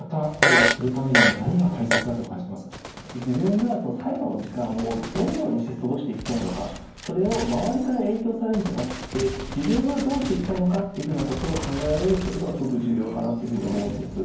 自分が最期の時間をどのようにして過ごしていきたいのかそれを周りから影響されるんじゃなくて自分はどうしていきたいのかっていうふうなことを考えられるってことがすごく重要かなっていうふうに思うんです。